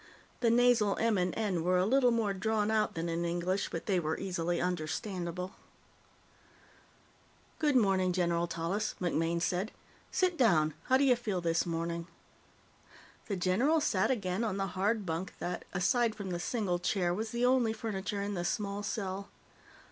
The nasal _M__ and N were a little more drawn out than in English, but they were easily understandable. "Good morning, General Tallis," MacMaine said. "Sit down. How do you feel this morning?" The general sat again on the hard bunk that, aside from the single chair, was the only furniture in the small cell.